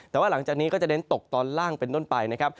แต่ว่าหลังจากนี้ก็จะเน้นตกตอนล่างเป็นต้นไปนะครับ